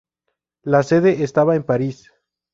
La sede estaba en París.